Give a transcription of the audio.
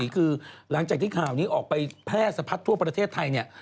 คือออกไปแพร่ษะพัดทั่วประเทศไทยเนี่ย